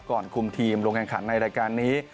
ก่อนคุมทีมลงแขนในรายการนี้